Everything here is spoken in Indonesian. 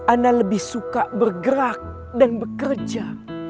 ana lebih suka bergerak dan bekerja